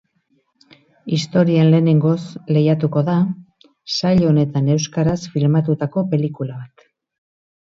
Historian lehenengoz lehiatuko da sail honetan euskaraz filmatutako pelikula bat.